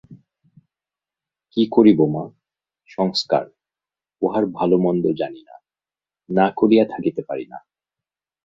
কী করিব মা, সংস্কার, উহার ভালোমন্দ জানি না–না করিয়া থাকিতে পারি না।